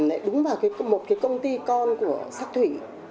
lại đúng vào một cái công ty con của sắc thủy